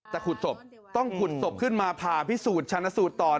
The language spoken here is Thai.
แต่ขุดศพต้องขุดศพขึ้นมาผ่าพิสูจนชนะสูตรต่อ